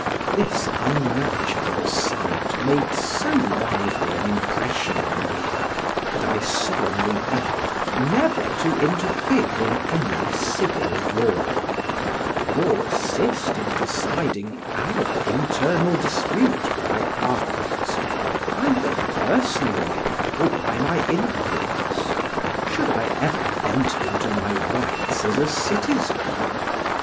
This unnatural sight made so lively an impression on me, that I solemnly vowed never to interfere in any civil war, nor assist in deciding our internal dispute by arms, either personally or by my influence, should I ever enter into my rights as a citizen.